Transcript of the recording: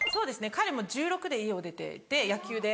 彼も１６歳で家を出ていて野球でもう。